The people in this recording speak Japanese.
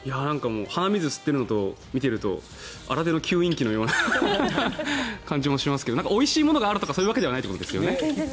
鼻水を吸っているのを見るのと新手の吸引器のような感じもしますけどおいしいものがあるとかそういうわけではないということですよね。